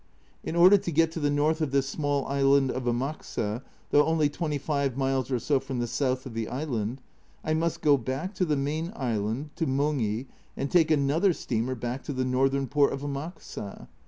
In order to get to the north of this small island of Amakusa, though only 25 miles or so from the south of the island, I must go back to the main island, to Mogi, and take another steamer back to the northern port of Amakusa